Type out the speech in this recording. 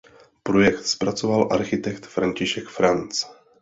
Projekt zpracoval architekt František Franz.